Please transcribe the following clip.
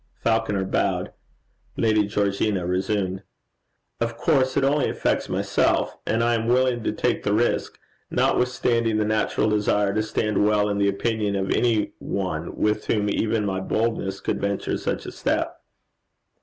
Falconer bowed. Lady Georgina resumed. 'Of course it only affects myself; and I am willing to take the risk, notwithstanding the natural desire to stand well in the opinion of any one with whom even my boldness could venture such a step.'